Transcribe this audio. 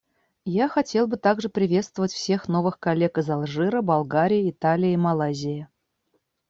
Я хотел бы также приветствовать всех новых коллег из Алжира, Болгарии, Италии и Малайзии.